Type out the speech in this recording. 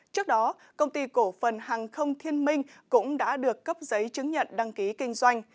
trước đó công ty cổ phần hàng không thiên minh cũng đã được cấp giấy chứng nhận đăng ký kinh doanh